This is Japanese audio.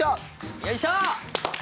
よいしょ！